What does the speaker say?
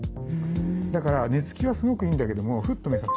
だから寝つきはすごくいいんだけどもふっと目覚めちゃいます。